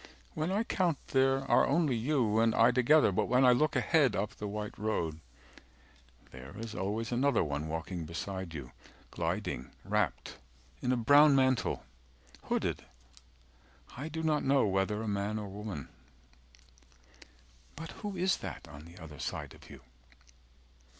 When I count, there are only you and I together 360 But when I look ahead up the white road There is always another one walking beside you Gliding wrapt in a brown mantle, hooded I do not know whether a man or a woman —But who is that on the other side of you?